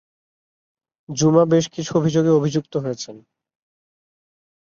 জুমা বেশকিছু অভিযোগে অভিযুক্ত হয়েছেন।